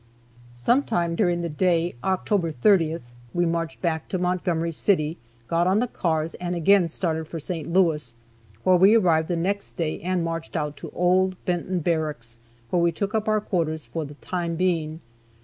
Sometime during the day (October 30th) we marched back to Montgomery City, got on the cars, and again started for St. Louis, where we arrived the next day, and marched out to old Benton Barracks, where we took up our quarters for the time being.